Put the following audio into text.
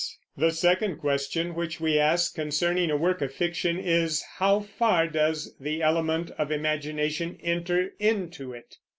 The second question which we ask concerning a work of fiction is, How far does the element of imagination enter into it?